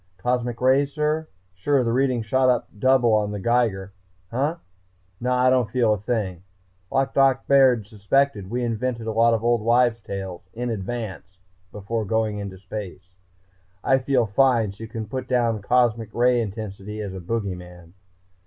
"Cosmic rays, sir? Sure, the reading shot up double on the Geiger ... huh? Naw, I don't feel a thing ... like Doc Baird suspected, we invented a lot of Old Wives' Tales in advance, before going into space. I feel fine, so you can put down cosmic ray intensity as a Boogey Man....